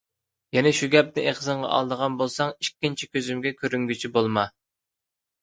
يەنە شۇ گەپنى ئېغىزىڭغا ئالىدىغان بولساڭ، ئىككىنچى كۆزۈمگە كۆرۈنگۈچى بولما!